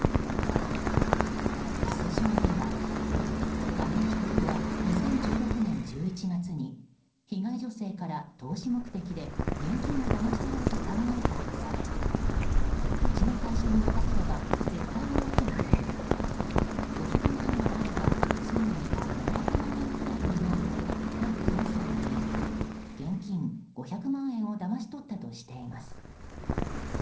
起訴状では亀井被告は２０１６年１１月に被害女性から投資目的で現金をだまし取ろうと考えたとされうちの会社に任せれば絶対もうけが出る５００万円あればすぐに７００万円くらいになるなどと嘘を言い現金５００万円をだまし取ったとしています。